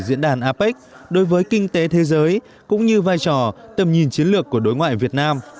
diễn đàn apec đối với kinh tế thế giới cũng như vai trò tầm nhìn chiến lược của đối ngoại việt nam